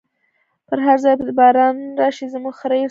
په هر ځای چی باران راشی، زمونږ خره یوسی له مخی